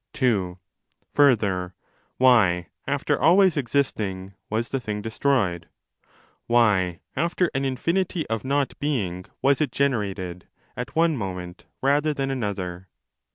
(2) Further, why, after always existing, was the thing destroyed, why, after an infinity of not being, was it generated, at one moment rather than another?